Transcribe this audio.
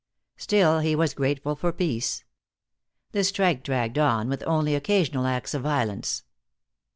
Still, he was grateful for peace. The strike dragged on, with only occasional acts of violence.